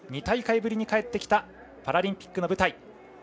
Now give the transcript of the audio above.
２大会ぶりに帰ってきたパラリンピックの舞台。